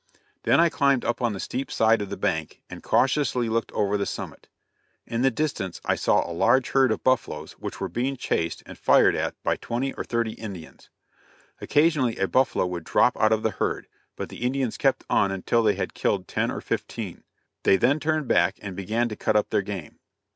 Then I climbed up the steep side of the bank and cautiously looked over the summit; in the distance I saw a large herd of buffaloes which were being chased and fired at by twenty or thirty Indians. Occasionally a buffalo would drop out of the herd, but the Indians kept on until they had killed ten or fifteen. They then turned back, and began to cut up their game.